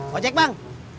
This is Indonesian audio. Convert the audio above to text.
gue cek bang